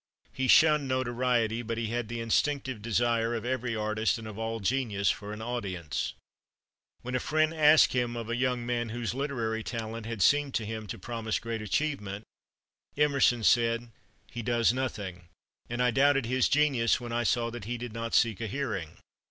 He shunned notoriety, but he had the instinctive desire of every artist and of all genius for an audience. When a friend asked him of a young man whose literary talent had seemed to him to promise great achievement, Emerson said: "He does nothing; and I doubted his genius when I saw that he did not seek a hearing."